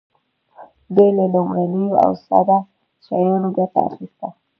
دوی له لومړنیو او ساده شیانو ګټه اخیسته.